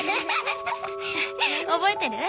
覚えてる？